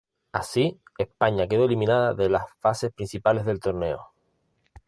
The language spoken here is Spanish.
Así, España quedó eliminada de las fases principales del torneo.